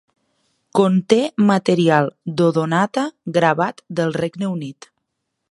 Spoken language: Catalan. Conté material d'Odonata gravat del Regne Unit.